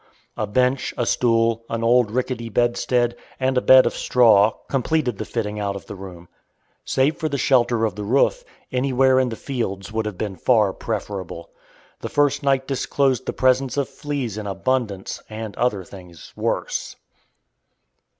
A bench, a stool, an old rickety bedstead, and a bed of straw, completed the fitting out of the room. Save for the shelter of the roof, anywhere in the fields would have been far preferable. The first night disclosed the presence of fleas in abundance, and other things worse.